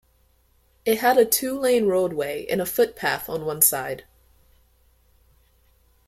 It had a two-lane roadway and a footpath on one side.